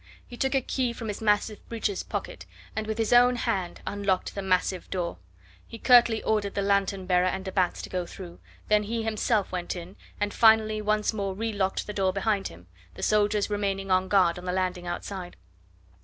He took a key from his breeches pocket, and with his own hand unlocked the massive door. He curtly ordered the lanthorn bearer and de Batz to go through, then he himself went in, and finally once more re locked the door behind him, the soldiers remaining on guard on the landing outside.